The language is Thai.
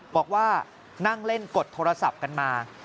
บอกว่านั่งเล่นกดโทรศัพท์กันมา